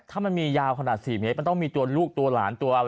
ถ้ามันมียาวขนาด๔เมตรมันต้องมีตัวลูกตัวหลานตัวอะไร